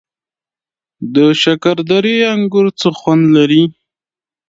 د شکردرې انګور څه خوند لري؟